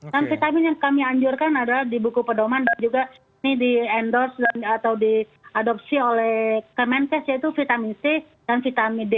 dan vitamin yang kami anjurkan adalah di buku pedoman dan juga ini di endorse atau diadopsi oleh kemenkes yaitu vitamin c dan vitamin d